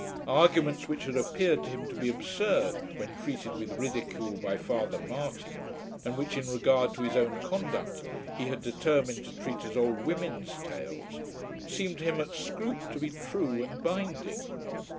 Arguments which had appeared to him to be absurd when treated with ridicule by Father Marty, and which in regard to his own conduct he had determined to treat as old women's tales, seemed to him at Scroope to be true and binding.